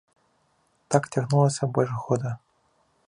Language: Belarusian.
Так цягнулася больш года.